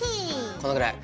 このぐらい。